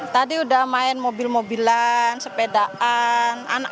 tadi udah main mobil mobilan sepedaan